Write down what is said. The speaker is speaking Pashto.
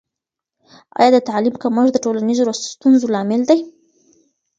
آیا د تعلیم کمښت د ټولنیزو ستونزو لامل دی؟